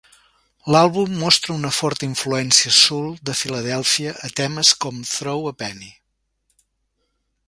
L'àlbum mostra una forta influència soul de Philadelphia a temes com "Throw a Penny".